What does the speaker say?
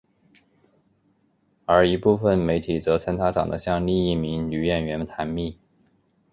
而一部分媒体则称她长得像另一名女演员坛蜜。